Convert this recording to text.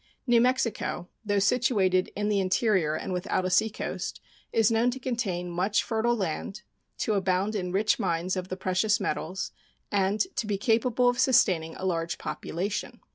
New Mexico, though situated in the interior and without a seacoast, is known to contain much fertile land, to abound in rich mines of the precious metals, and to be capable of sustaining a large population.